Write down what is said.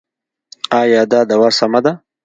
ایا دا دوا سمه ده؟